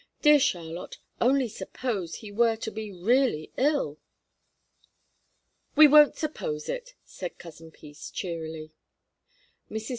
"Dear Charlotte, only suppose he were to be really ill!" "We won't suppose it," said Cousin Peace, cheerily. Mrs.